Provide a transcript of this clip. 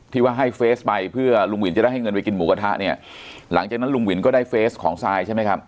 ที่ว่าให้เฟสไปเพื่อลุงวินจะได้ให้เงินไปกินหมูกระทะเนี่ยหลังจากนั้นลุงวินก็ได้เฟสของซายใช่ไหมครับ